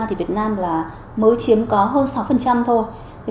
thì việt nam là mới chiếm có hơn sáu thôi